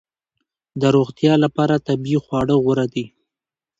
د روغتیا لپاره طبیعي خواړه غوره دي